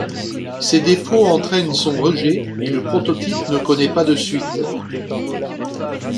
Ces défauts entraînent son rejet et le prototype ne connaît pas de suite.